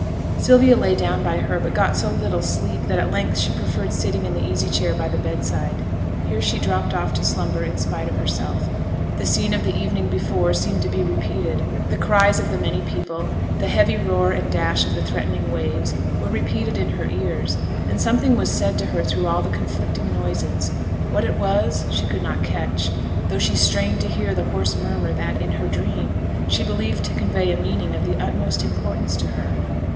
Sylvia lay down by her, but got so little sleep, that at length she preferred sitting in the easy chair by the bedside. Here she dropped off to slumber in spite of herself; the scene of the evening before seemed to be repeated; the cries of the many people, the heavy roar and dash of the threatening waves, were repeated in her ears; and something was said to her through all the conflicting noises, what it was she could not catch, though she strained to hear the hoarse murmur that, in her dream, she believed to convey a meaning of the utmost importance to her.